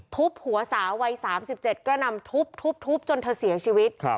ทุบหัวสาววัย๓๗กระนำทุบจนเธอเสียชีวิต